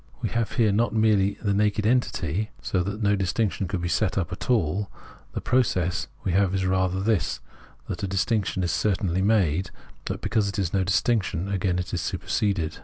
We have here not merely the naked unity, so that no distinction could be set up at all ; the process we have is rather this, that a distinction is certainly made, but because it is no distinction, it is again superseded.